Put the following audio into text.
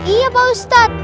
iya pak ustadz